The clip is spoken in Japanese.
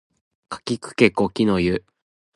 かきくけこきのゆ